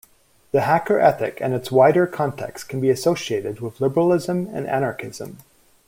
The hacker ethic and its wider context can be associated with liberalism and anarchism.